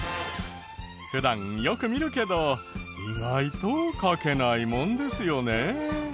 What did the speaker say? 普段よく見るけど意外と書けないもんですよね。